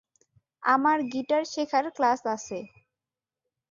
আমার গিটার শেখার ক্লাস আছে।